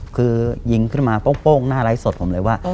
คือยิงขึ้นมาโป้งหน้าไลฟ์สดผมเลยว่า